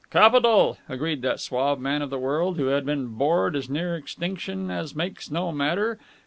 "Capital!" agreed that suave man of the world, who had been bored as near extinction as makes no matter.